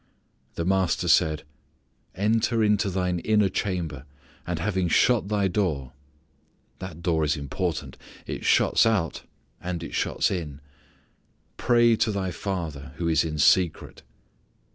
The Master said: "Enter into thine inner chamber, and having shut thy door": that door is important. It shuts out, and it shuts in. "Pray to thy Father who is in secret."